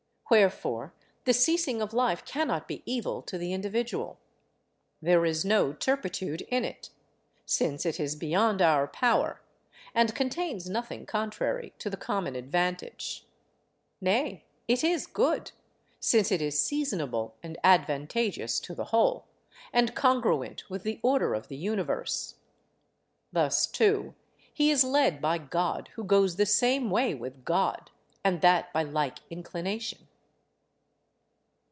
Wherefore the ceasing of life cannot be evil to the individual. There is no turpitude in it, since it is beyond our power, and contains nothing contrary to the common advantage. Nay, it is good, since it is seasonable and advantageous to the whole, and, congruent with the order of the Universe. Thus, too, he is led by God who goes the same way with God, and that by like inclination.